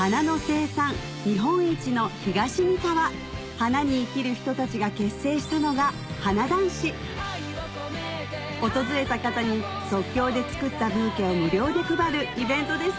花に生きる人たちが結成したのが訪れた方に即興で作ったブーケを無料で配るイベントです